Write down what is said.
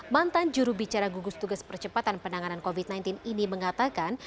mantan jurubicara gugus tugas percepatan penanganan covid sembilan belas ini mengatakan